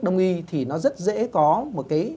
đông y thì nó rất dễ có một cái